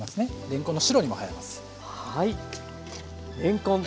れんこんの白にも映えます。